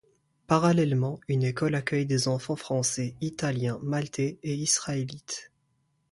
Parallèlement, une école accueille des enfants français, italiens, maltais et israélites.